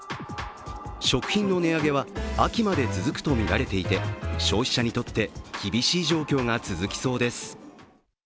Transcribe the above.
食品の値上げは秋まで続くとみられていて消費者にとって厳しい状況が続きそうです。